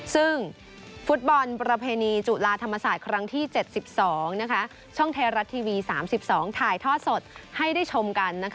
ซึ่งฟุตบอลประเพณีจุฬาธรรมศาสตร์ครั้งที่๗๒ช่องไทยรัฐทีวี๓๒ถ่ายท่อสดให้ได้ชมกัน